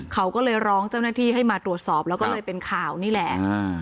เขาก็เลยร้องเจ้าหน้าที่ให้มาตรวจสอบแล้วก็เลยเป็นข่าวนี่แหละ